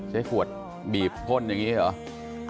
ใช้ขวดบีบพ่นอย่างนี้เหรอ